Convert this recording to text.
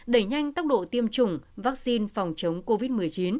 đẩy nhanh tốc độ tiêm chủng vaccine phòng chống covid một mươi chín